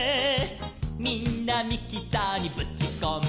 「みんなミキサーにぶちこんで」